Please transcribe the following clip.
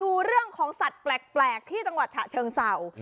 ดูเรื่องของสัตว์แปลกที่จังหวัดฉะเชิงเศร้า